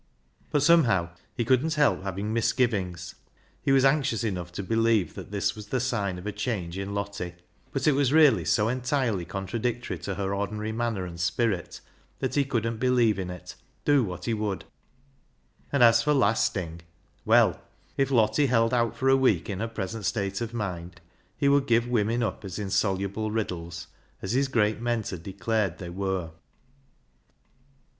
But, somehow, he couldn't help having mis givings. He was anxious enough to believe that this was the sign of a change in Lottie, but it was really so entirely contradictory to her ordinary manner and spirit that he couldn't believe in it, do what he would. And as for lasting ! Well, if Lottie held out for a week in her present state of mind he would give women up as insoluble riddles, as his great mentor declared they v/ere.